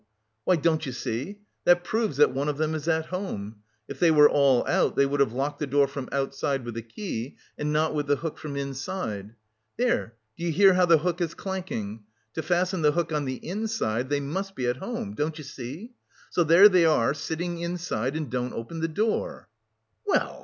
"Why, don't you see? That proves that one of them is at home. If they were all out, they would have locked the door from the outside with the key and not with the hook from inside. There, do you hear how the hook is clanking? To fasten the hook on the inside they must be at home, don't you see. So there they are sitting inside and don't open the door!" "Well!